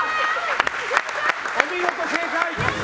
お見事、正解！